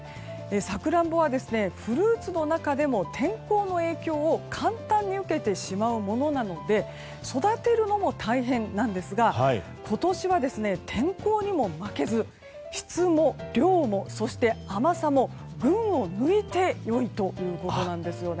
サクランボはフルーツの中でも天候の影響を簡単に受けてしまうものなので育てるのも大変なんですが今年は天候にも負けず質も量もそして、甘さも群を抜いてよいということです。